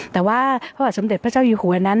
แต่ว่าพระบาทสมเด็จพระเจ้าอยู่หัวนั้น